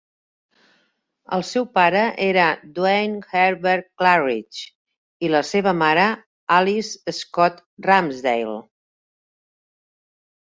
El seu pare era Duane Herbert Clarridge i la seva mare, Alice Scott Ramsdale.